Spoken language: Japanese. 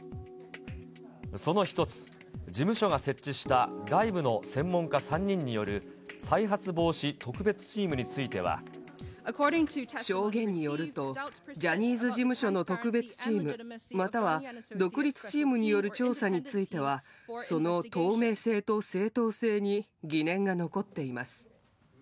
その１つ、事務所が設置した外部の専門家３人による再発防止特別チームにつ証言によると、ジャニーズ事務所の特別チーム、または独立チームによる調査については、その透明性と正当性に疑念が残っています。